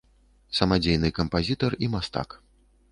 Самадзейны кампазітар і мастак.